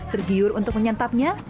tergiur untuk menyantapnya